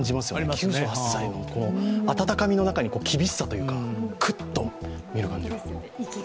９８歳の温かみの中に厳しさというかクッと目の感じが。